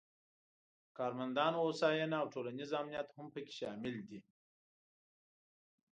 د کارمندانو هوساینه او ټولنیز امنیت هم پکې شامل دي.